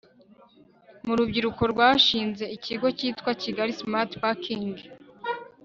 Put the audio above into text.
mu rubyiruko rwashinze ikigo cyitwa kigali smart parking